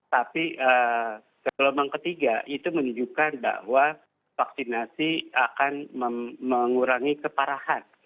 tapi gelombang ketiga itu menunjukkan bahwa vaksinasi akan mengurangi keparahan